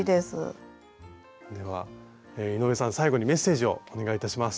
では井上さん最後にメッセージをお願いいたします。